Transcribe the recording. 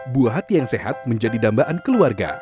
buah hati yang sehat menjadi dambaan keluarga